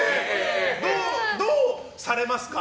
どうされますか？